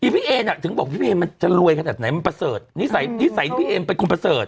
พี่เอมถึงบอกพี่เอมมันจะรวยขนาดไหนมันประเสริฐนิสัยนิสัยพี่เอมเป็นคนประเสริฐ